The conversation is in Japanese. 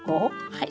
はい。